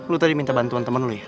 lo tadi minta bantuan temen lo ya